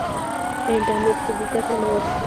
په انټرنیټ کې د زده کړې مواد شته.